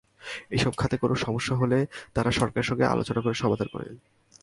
এসব খাতে কোনো সমস্যা হলে তারা সরকারের সঙ্গে আলোচনা করে সমাধান করে।